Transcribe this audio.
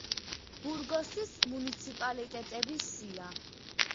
ბურგოსის მუნიციპალიტეტების სია.